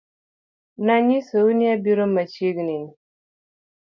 Nanyisou ni abiro machiegni